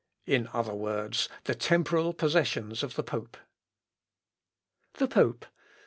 _ "In other words, the temporal possessions of the pope." _The Pope.